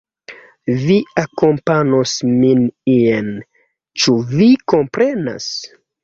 Vi akompanos min ien. Ĉu vi komprenas?